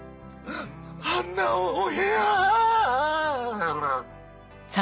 あんなお部屋ぁ！